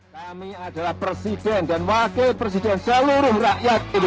kami adalah presiden dan wakil presiden seluruh rakyat indonesia